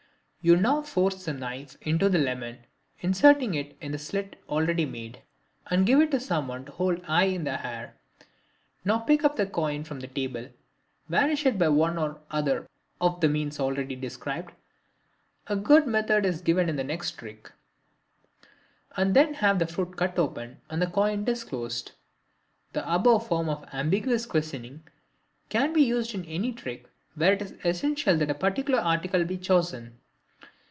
You now force the knife into the lemon, inserting it in the slit already made, and give it to someone to hold high in the air. Now pick up the coin from the table and vanish it by one or other of the means already described (a good method is given in the next trick), and then have the fruit cut open and the coin disclosed. The above form of ambiguous questioning can be used in any trick where it is essential that a particular article be chosen.